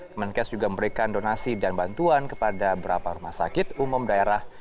kemenkes juga memberikan donasi dan bantuan kepada beberapa rumah sakit umum daerah